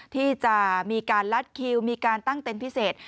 ที่จะมีการลัดคิวมีการตั้งเต็นต์พิเศษ